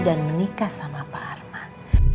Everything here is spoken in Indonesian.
dan menikah sama pak arman